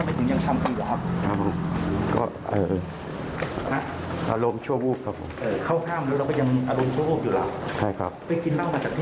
ไปกินเล่ามาจากที่ไหน